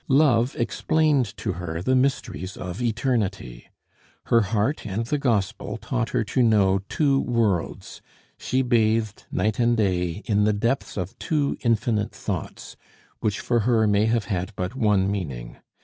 Love explained to her the mysteries of eternity. Her heart and the Gospel taught her to know two worlds; she bathed, night and day, in the depths of two infinite thoughts, which for her may have had but one meaning.